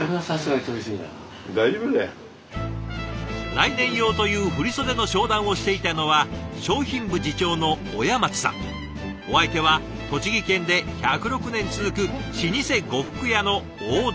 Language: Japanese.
来年用という振り袖の商談をしていたのはお相手は栃木県で１０６年続く老舗呉服屋の大旦那。